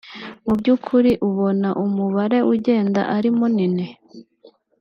Mu by’ukuri ubona umubare ugenda ari munini